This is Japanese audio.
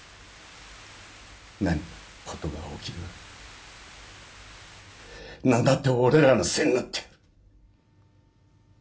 何か事が起きれば何だって俺らのせいになって。